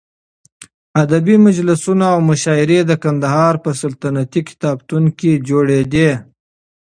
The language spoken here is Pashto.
ادبي مجلسونه او مشاعرې د قندهار په سلطنتي کتابتون کې جوړېدې.